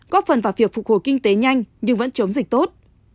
góp phần vào việc phục hồi kinh tế nhanh nhưng vẫn chống dịch tốt